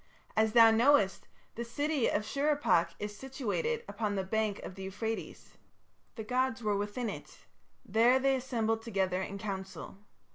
As thou knowest, the city of Shurippak is situated upon the bank of the Euphrates. The gods were within it: there they assembled together in council.